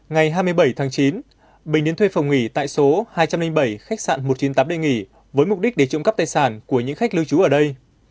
ngày hai mươi bảy tháng chín bình đến thuê phòng nghỉ tại số hai trăm linh bảy khách sạn một trăm chín mươi tám d nghỉ với mục đích để trộm cắp tài sản của những khách lưu trú ở đây